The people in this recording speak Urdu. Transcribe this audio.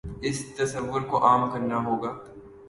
اس تصور کو عام کرنا ہو گا۔